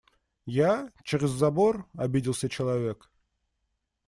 Я?.. Через забор?.. – обиделся человек.